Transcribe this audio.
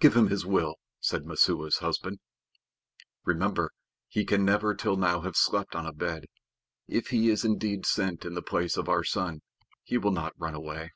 "Give him his will," said Messua's husband. "Remember he can never till now have slept on a bed. If he is indeed sent in the place of our son he will not run away."